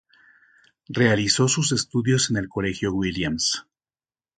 Realizó sus estudios en el Colegio Williams.